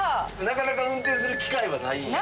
なかなか運転する機会はないんや？